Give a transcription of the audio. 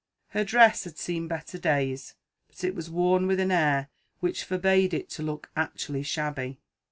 Her dress had seen better days, but it was worn with an air which forbade it to look actually shabby.